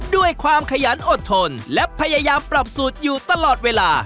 ด้วยความขยันอดทนและพยายามปรับสูตรอยู่ตลอดเวลา